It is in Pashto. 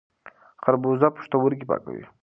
خربوزه پښتورګي پاکوي.